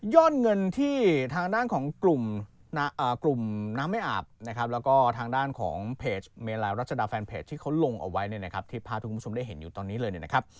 ยอดเงินที่ทางด้านของกลุ่มน้ำไม่อาบแล้วก็ทางด้านของเพจเมลายรัชดาฟันเพจที่เขาลงออกไว้ที่ทุกคนได้เห็นอยู่ตอนนี้เลย